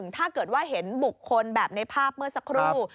ถ้าเกิดว่าเห็นบุคคลแบบในภาพเมื่อสักครู่